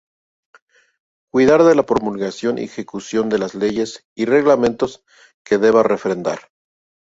Cuidar de la promulgación y ejecución de las Leyes y Reglamentos que deba refrendar.